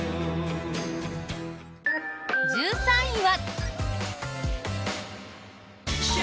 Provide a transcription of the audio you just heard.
１３位は。